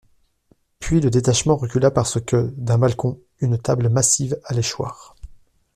Puis le détachement recula parce que, d'un balcon, une table massive allait choir.